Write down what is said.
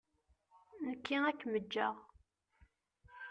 Nekki ad akem-ǧǧeɣ.